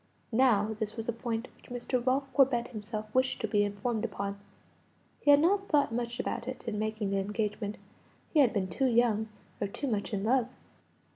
Now this was a point which Mr. Ralph Corbet himself wished to be informed upon. He had not thought much about it in making the engagement; he had been too young, or too much in love.